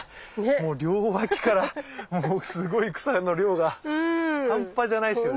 もう両脇からもうすごい草の量が半端じゃないっすよね。